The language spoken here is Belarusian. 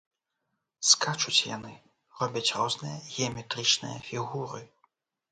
Скачуць яны, робяць розныя геаметрычныя фігуры.